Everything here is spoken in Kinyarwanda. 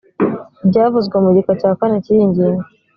byavuzwe mu gika cya kane cy’iyi ngingo